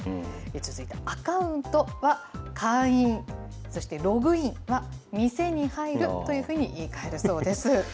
続いて、アカウントは会員、そしてログインは店に入るというふうに言い換えるそうです。